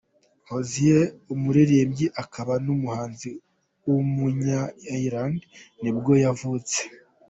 Hozier, umuririmbyi akaba n’umuhanzi w’umunya-Ireland nibwo yavutse.